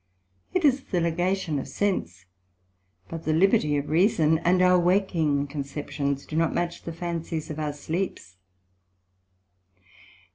It is the ligation of sense, but the liberty of reason, and our waking conceptions do not match the Fancies of our sleeps.